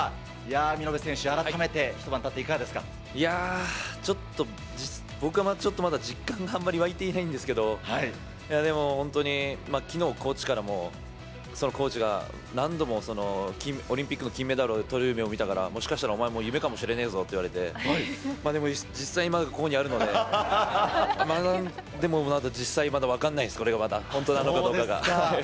見延選手、いやー、ちょっと僕はちょっとまだ実感があまり湧いていないんですけど、でも本当にきのう、コーチからも、そのコーチが、何度もオリンピックの金メダルをとる夢を見たから、もしかしたらお前も夢かもしれねえぞって、でも実際今、ここにあるので、でも、実際まだ分かんないです、これが本当なのかどうかそうですか。